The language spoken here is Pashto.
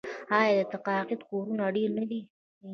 آیا د تقاعد کورونه ډیر نه دي؟